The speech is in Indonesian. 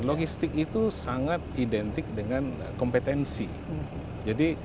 logistik itu sangat identik dengan kompetensi jadi